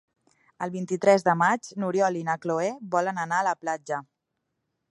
El vint-i-tres de maig n'Oriol i na Cloè volen anar a la platja.